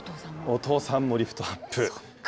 お父さんもリフトアップ。